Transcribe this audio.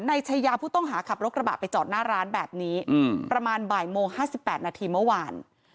ชายาผู้ต้องหาขับรถกระบะไปจอดหน้าร้านแบบนี้ประมาณบ่ายโมง๕๘นาทีเมื่อวาน